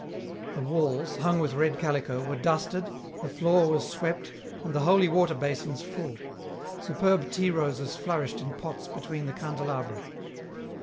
The walls, hung with red calico, were dusted, the floor was swept, and the holy water basins full ; superb tea roses flourished in pots between the candelabra.